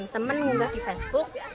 temen mbak di facebook